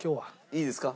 いいですか？